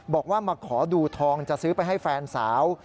บอกว่ามาขอดูทองจะซื้อไปให้แฟนสาว